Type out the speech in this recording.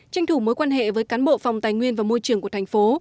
tranh thủ mối quan hệ với cán bộ phòng tài nguyên và môi trường của tp